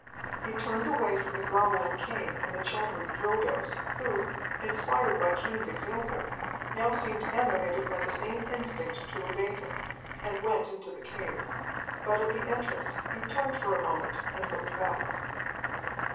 He turned away from the groveling Cain and the chattering Drilgoes, who, inspired by Cain's example, now seemed animated by the same instinct to obey him, and went into the cave. But at the entrance he turned for a moment and looked back.